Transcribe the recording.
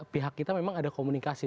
pihak kita memang ada komunikasi